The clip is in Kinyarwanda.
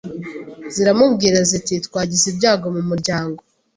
Ziramubwira ziti twagize ibyago mumuryango